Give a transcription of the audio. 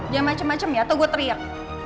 dia macem macem ya atau gue teriak